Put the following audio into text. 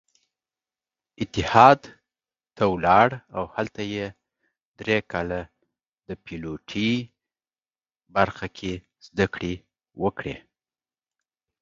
اتحاد ته ولاړ او هلته يې درې کاله د پيلوټۍ برخه کې زدکړې وکړې.